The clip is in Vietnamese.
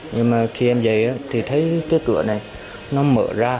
nhưng mà khi em về thì thấy cái cửa này nó mở ra